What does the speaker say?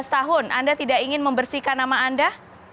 tujuh belas tahun anda tidak ingin membersihkan nama anda